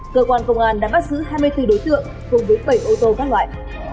cơ quan công an đã bắt giữ hai mươi bốn đối tượng cùng với bảy ô tô các loại